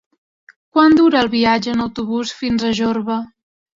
Quant dura el viatge en autobús fins a Jorba?